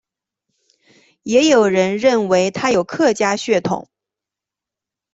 也有人认为他有客家血统。